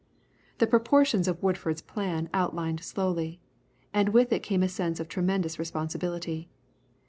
The proportions of Woodford's plan outlined slowly, and with it came a sense of tremendous responsibility.